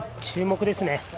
注目ですね。